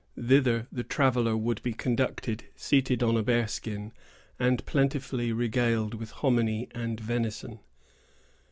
Thither the traveller would be conducted, seated on a bear skin, and plentifully regaled with hominy and venison.